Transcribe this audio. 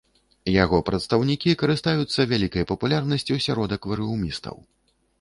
Яго прадстаўнікі карыстаюцца вялікай папулярнасцю сярод акварыумістаў.